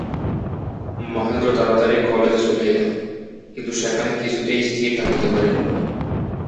মহেন্দ্র তাড়াতাড়ি কালেজে চলিয়া গেল, কিন্তু সেখানে কিছুতেই স্থির থাকিতে পারিল না।